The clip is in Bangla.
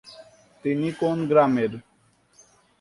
তিনি কোন গ্রামের?